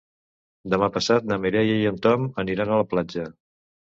Demà passat na Mireia i en Tom aniran a la platja.